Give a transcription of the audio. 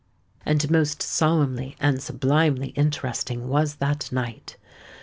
And most solemnly and sublimely interesting was that night!